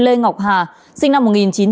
lê ngọc hà sinh năm một nghìn chín trăm tám mươi